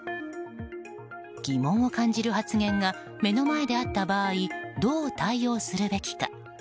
疑問を感じる発言が目の前であった場合どう対応するべきか。